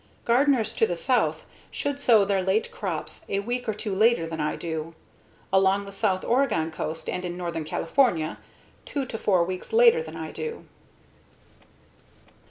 Gardeners to the south should sow their late crops a week or two later than I do; along the south Oregon coast and in northern California, two to four weeks later than I do.